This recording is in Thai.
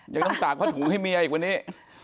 ยังต้องตากผ้าถุงให้เมียอีกวันนี้